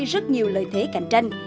rất nhiều lợi thế cạnh tranh